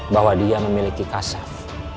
bahwa dia memiliki kasaf